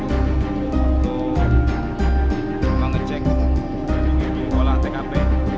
untuk mengecek bola tkp